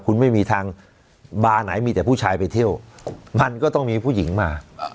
คุณไม่มีทางบาร์ไหนมีแต่ผู้ชายไปเที่ยวมันก็ต้องมีผู้หญิงมา